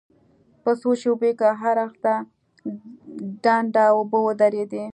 په څو شېبو کې هر اړخ ته ډنډ اوبه ودرېدې.